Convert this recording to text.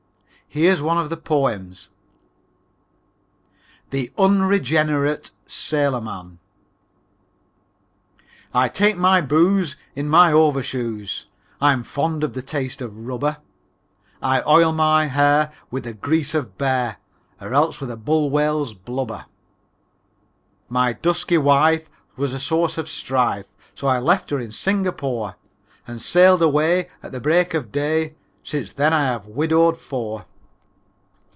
Here's one of the poems: THE UNREGENERATE SAILOR MAN I I take my booze In my overshoes; I'm fond of the taste of rubber; I oil my hair With the grease of bear Or else with a bull whale's blubber. II My dusky wife Was a source of strife, So I left her in Singapore And sailed away At the break of day Since then I have widowed four.